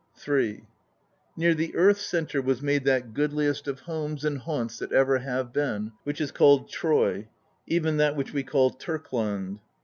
6 PROLOGUE III Near the earth's centre was made that goodliest of homes and haunts that ever have been, vi^hich is called Troy, even that which we call Turkland.